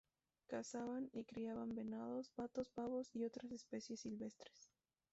Cazaban y criaban venados, patos, pavos y otras especies silvestres.